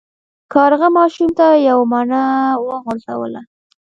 کارغه ماشوم ته یوه مڼه وغورځوله.